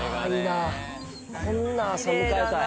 こんな朝、迎えたい。